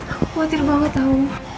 aku khawatir banget tau